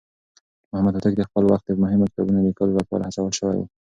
محمد هوتک د خپل وخت د مهمو کتابونو ليکلو لپاره هڅول شوی و.